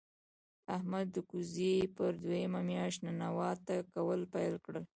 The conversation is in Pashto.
احمد د کوزې پر دویمه مياشت ننواته کول پیل کړل.